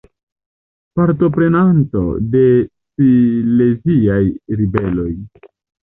Partoprenanto de Sileziaj Ribeloj.